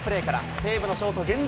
西武のショート、源田。